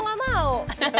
gue gak mau